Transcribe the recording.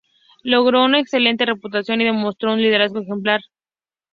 Logró una excelente reputación y demostró un liderazgo ejemplar.